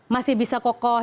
masih bisa kokoh